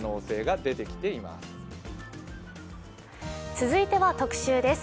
続いては特集です。